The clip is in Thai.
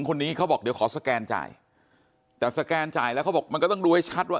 คนนี้เขาบอกเดี๋ยวขอสแกนจ่ายแต่สแกนจ่ายแล้วเขาบอกมันก็ต้องดูให้ชัดว่า